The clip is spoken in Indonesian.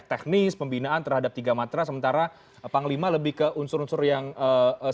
teknis pembinaan terhadap tiga matra sementara panglima lebih ke unsur unsur yang strategis ya bu kony ya